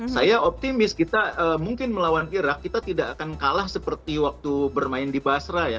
saya optimis kita mungkin melawan iraq kita tidak akan kalah seperti waktu bermain di basra ya